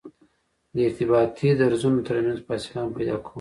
د ارتباطي درزونو ترمنځ فاصله هم پیدا کوو